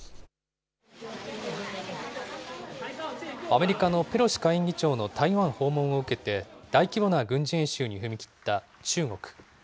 アメリカのペロシ下院議長の台湾訪問を受けて、大規模な軍事演習に踏み切った中国。